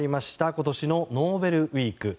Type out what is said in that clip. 今年のノーベルウィーク。